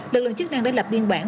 lực lượng chức năng đã lập biên bản